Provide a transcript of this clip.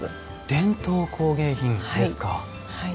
伝統工芸品ですか。